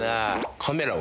カメラは？